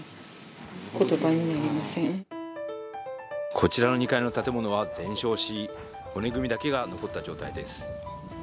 こちらの２階の建物は全焼し骨組みだけが残った状態です。